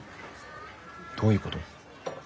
どういうこと？